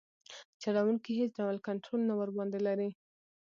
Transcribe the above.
چلوونکي یې هیڅ ډول کنټرول نه ورباندې لري.